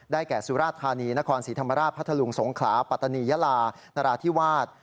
แก่สุราธานีนครศรีธรรมราชพัทธลุงสงขลาปัตตานียาลานราธิวาส